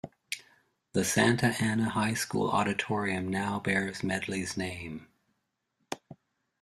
The Santa Ana High School auditorium now bears Medley's name.